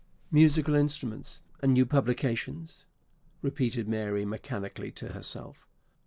"Musical instruments and new publications!" repeated Mary mechanically to herself.